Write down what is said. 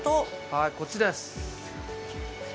はいこっちです。